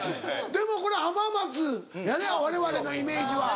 でもこれ浜松やなわれわれのイメージは。